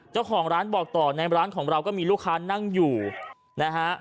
เจ้าของร้านบอกต่อในร้านของเราก็มีลูกค้านั่งอยู่นะฮะ